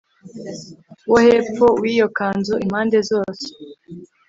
wo hepfo w iyo kanzu impande zose